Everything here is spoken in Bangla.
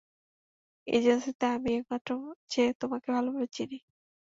এজেন্সিতে আমিই একমাত্র যে তোমাকে ভালোভাবে চিনি।